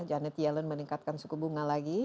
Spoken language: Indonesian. janet yellen meningkatkan suku bunga lagi